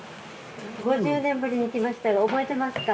５０年ぶりに来ましたよ覚えてますか？